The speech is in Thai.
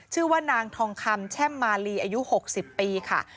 ชื่อว่านางทองคำแช่มมาลีอายุ๖๐ปีค่ะ